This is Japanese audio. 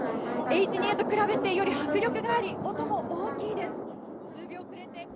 Ｈ２と比べて、より迫力があり、音も大きいです。